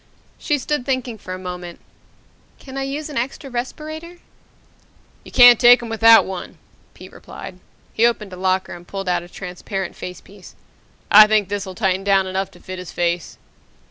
She stood thinking for a moment. "Can I use an extra respirator?" "You can't take him out without one!" Pete replied. He opened a locker and pulled out a transparent facepiece. "I think this'll tighten down enough to fit his face."